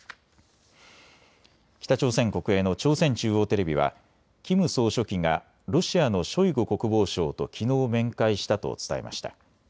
北朝鮮国営の朝鮮中央テレビはキム総書記がロシアのショイグ国防相ときのう面会したと伝えました。